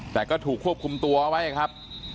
แต่ก็ถูกควบคุมตัวไว้ครับ